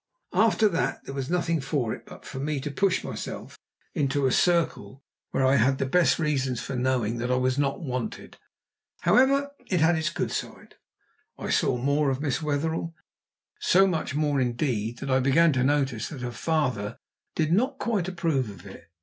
After that there was nothing for it but for me to push myself into a circle where I had the best reasons for knowing that I was not wanted. However, it had its good side: I saw more of Miss Wetherell; so much more indeed that I began to notice that her father did not quite approve of it.